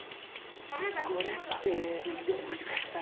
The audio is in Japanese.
これってもしかしたら。